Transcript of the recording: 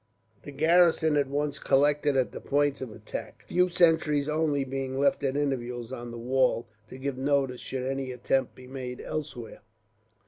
The garrison at once collected at the points of attack, a few sentries only being left at intervals on the wall, to give notice should any attempt be made elsewhere.